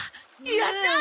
やったー！